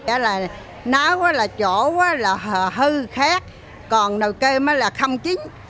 nó là náo là chỗ là hư khát còn nồi cơm là không chín